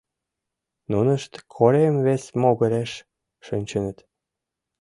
Нунышт корем вес могыреш шинчыныт.